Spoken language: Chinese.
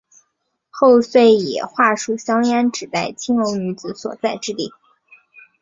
后遂以桦树香烟指代青楼女子所在之处。